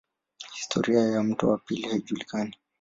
Historia ya mto wa pili haijulikani.